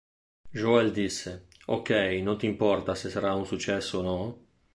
Joel disse:"Okay non ti importa se sarà un successo o no?